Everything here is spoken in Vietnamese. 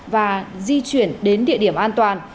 và di chuyển đến địa điểm an toàn